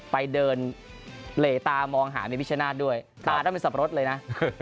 ไปเดินเหลตามองหาในพิชนาธิ์ด้วยตาต้องเป็นสับปะรดเลยนะ